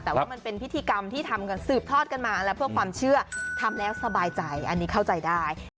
แต่ว่ามันเป็นพิธีกรรมที่ทำกันสืบทอดกันมาแล้วเพื่อความเชื่อทำแล้วสบายใจอันนี้เข้าใจได้